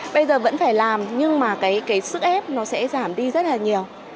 bây giờ vẫn phải làm nhưng mà cái sức ép nó sẽ giảm đi rất là nhiều